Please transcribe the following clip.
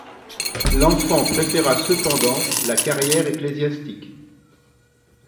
L’enfant préféra cependant la carrière ecclésiastique.